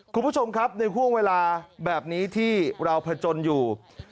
คุณผู้ชมครับในห่วงเวลาแบบนี้ที่เราผจญอยู่